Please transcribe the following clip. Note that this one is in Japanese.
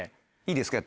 いいですか？